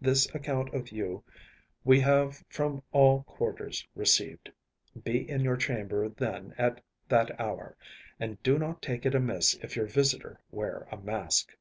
This account of you we have from all quarters received. Be in your chamber then at that hour, and do not take it amiss if your visitor wear a mask.